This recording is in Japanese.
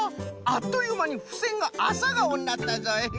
あっというまにふせんがアサガオになったぞい。